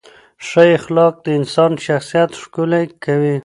ښه اخلاق د انسان شخصیت ښکلي کوي.